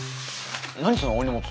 何その大荷物。